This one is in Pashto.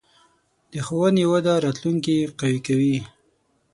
د ښوونې وده راتلونکې قوي کوي.